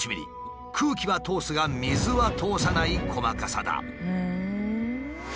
空気は通すが水は通さない細かさだ。